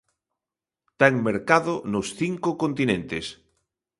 Ten mercado nos cinco continentes.